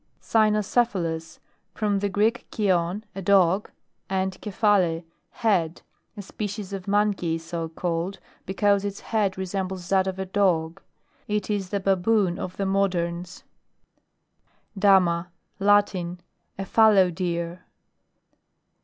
CVNOCEPHALUS. From the Greek, kvon, a dog, and kephale, head. A species of monkey i* so called, be cause its head resembles that of a dog. It is the baboon of the moderns. DAMA. Latin. A fallow deer.